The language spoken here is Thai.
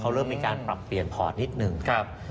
เขาเริ่มมีการปรับเปลี่ยนพอร์ตนิดหนึ่งครับ